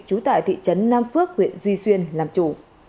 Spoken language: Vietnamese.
trú tại thị trấn nam phước huyện duy xuyên làm chủ